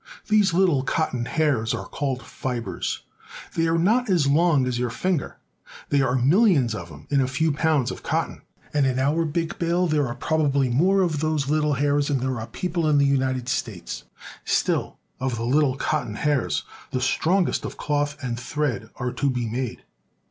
These little cotton hairs are called fibers. They are not as long as your finger. There are millions Making Cotton Threads. of them in a few pounds of cotton, and in our big bale there are probably more of those little hairs than there are people in the United States. Still, of the little cotton hairs the strongest of cloth and thread are to be made.